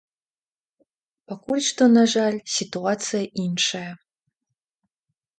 Пакуль што, на жаль, сітуацыя іншая.